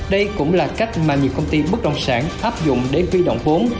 đây cũng là cách mà nhiều công ty bất động sản áp dụng để huy động vốn